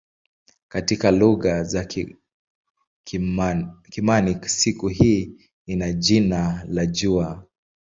Katika lugha za Kigermanik siku hii ina jina la "jua".